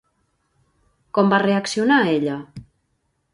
Com va reaccionar ella?